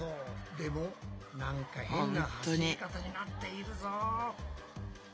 でもなんか変な走り方になっているぞ。